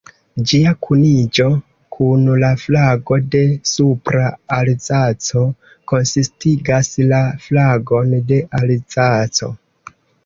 Ĝia kuniĝo kun la flago de Supra-Alzaco konsistigas la flagon de Alzaco.